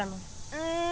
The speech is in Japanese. うん。